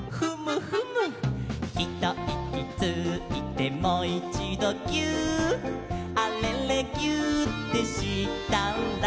「ひといきついてもいちどぎゅーっ」「あれれぎゅーってしたら」